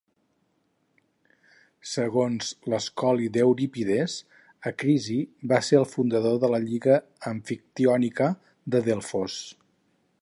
Segons l'escoli d'Eurípides, Acrisi va ser el fundador de la Lliga Amfictiònica de Delfos.